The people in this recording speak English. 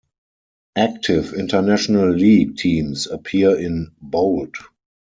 Active International League teams appear in bold.